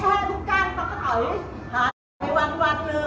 เมื่อกี้ก็ไม่มีเมื่อกี้ก็ไม่มีเมื่อกี้